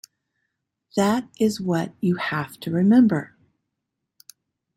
That is what you have to remember.